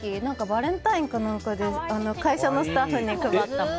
バレンタインかなんかで会社のスタッフに配ったもの。